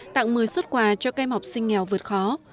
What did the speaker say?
tặng một mươi suất quà cho kem học sinh nghèo vượt khó